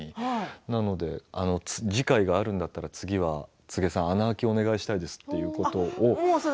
なので次回あるんだったら次は柘植さん、穴あきをお願いしますということを。